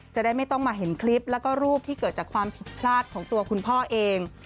จะได้ไม่ต้องมาเห็นคลิปแล้วก็รูปที่เกิดจากความผิดพลาดของตัวคุณพ่อเอง